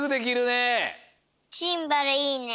シンバルいいね。